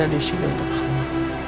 aku ada di sini untuk kamu